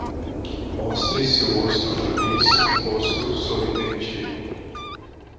Mostre seu rosto feliz um rosto sorridente.